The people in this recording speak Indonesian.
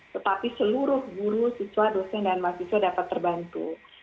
tetapi seluruh guru siswa dosen dan mahasiswa dapat terbantu